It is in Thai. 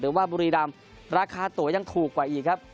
ว่าบุรีรำราคาตัวยังถูกกว่าอีกครับ